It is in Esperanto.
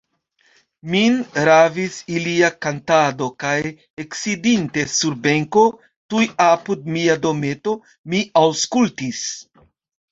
Min ravis ilia kantado, kaj eksidinte sur benko tuj apud mia dometo, mi aŭskultis.